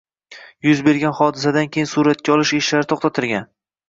Yuz bergan hodisadan keyin suratga olish ishlari to‘xtatilgan